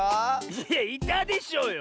いやいたでしょうよ！